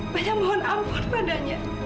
banyak mohon ampun padanya